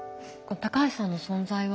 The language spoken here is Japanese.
高橋さんの存在は。